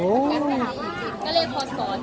สวัสดีทุกคน